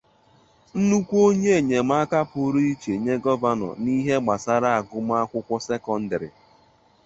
nnukwu onye enyemaka pụrụ iche nye Gọvanọ n'ihe gbasaara agụmakwụkwọ sekọndịrị